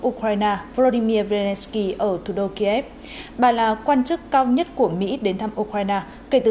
ukraine volodymyr zelensky ở thủ đô kiev bà là quan chức cao nhất của mỹ đến thăm ukraine kể từ